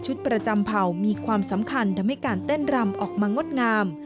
ประจำเผ่ามีความสำคัญทำให้การเต้นรำออกมางดงาม